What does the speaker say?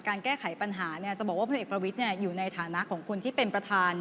แก้ไขปัญหาจะบอกว่าพลเอกประวิทย์อยู่ในฐานะของคนที่เป็นประธาน